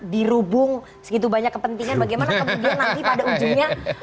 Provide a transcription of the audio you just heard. dirubung segitu banyak kepentingan